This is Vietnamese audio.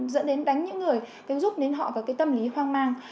dẫn đến đánh những người giúp đến họ có cái tâm lý hoang mang